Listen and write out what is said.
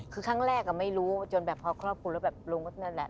คือครั้งแรกไม่รู้จนแบบพอครอบครัวแล้วแบบลุงก็นั่นแหละ